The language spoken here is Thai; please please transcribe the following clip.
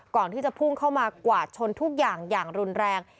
ก่อนที่จะพุ่งเข้ามากวาดชนทุกอย่างอย่างรุนแรง